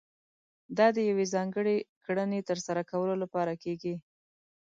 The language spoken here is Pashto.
دا د يوې ځانګړې کړنې ترسره کولو لپاره کېږي.